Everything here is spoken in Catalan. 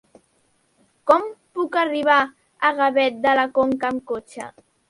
Com puc arribar a Gavet de la Conca amb cotxe?